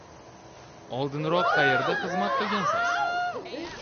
Oldinroq qaerda xizmat qilgansiz?